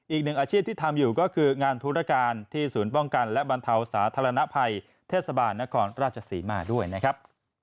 อีกหนึ่งอาชีพที่ทำอยู่ก็คืองานธุรการที่ศูนย์ป้องกันและบรรเทาสาธารณภัยเทศบาลนครราชศรีมาด้วยนะครับ